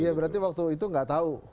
iya berarti waktu itu gak tau